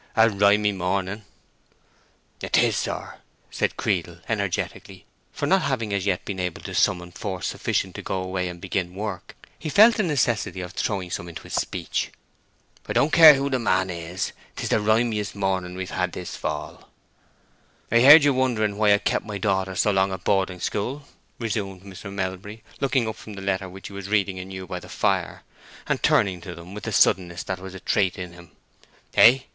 "A rimy morning." "'Tis, sir!" said Creedle, energetically; for, not having as yet been able to summon force sufficient to go away and begin work, he felt the necessity of throwing some into his speech. "I don't care who the man is, 'tis the rimiest morning we've had this fall." "I heard you wondering why I've kept my daughter so long at boarding school," resumed Mr. Melbury, looking up from the letter which he was reading anew by the fire, and turning to them with the suddenness that was a trait in him. "Hey?"